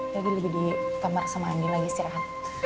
jadi lebih di kamar sama andin lagi istirahat